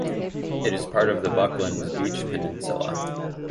It is part of the Bucklands Beach peninsula.